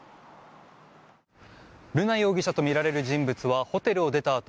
瑠奈容疑者とみられる人物はホテルを出たあと